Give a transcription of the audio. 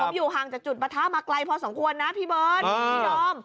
ผมอยู่ห่างจากจุดปะทะมาไกลพอสมควรนะพี่เบิร์ตพี่ดอม